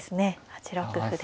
８六歩です。